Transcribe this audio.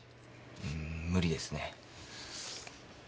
うーん無理ですね。